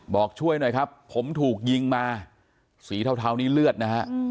บอกช่วยหน่อยครับผมถูกยิงมาสีเทานี้เลือดนะฮะ